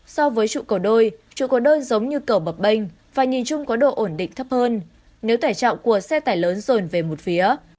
so với trụ cầu đôi trụ có đơn giống như cầu bập bênh và nhìn chung có độ ổn định thấp hơn nếu tải trọng của xe tải lớn rồn về một phía